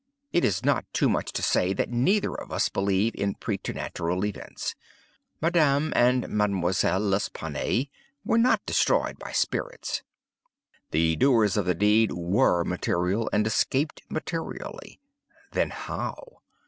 It is not too much to say that neither of us believe in præternatural events. Madame and Mademoiselle L'Espanaye were not destroyed by spirits. The doers of the deed were material, and escaped materially. Then how?